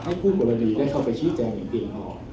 ให้ผู้กรณีได้เข้าไปชี้แจงอย่างเก่งออก